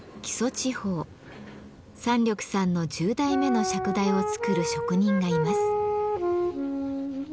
山緑さんの１０台目の釈台を作る職人がいます。